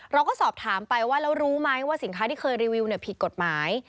เราก็สอบถามไปว่าแล้วรู้ไหมว่าสินค้าที่เคยรีวิวผิดกฎหมาย